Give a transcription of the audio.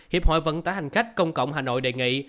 hiệp hội vận tải hành khách công cộng hà nội đề nghị